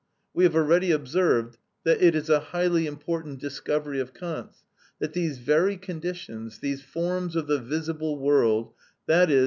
We have already observed that it is a highly important discovery of Kant's, that these very conditions, these forms of the visible world, _i.e.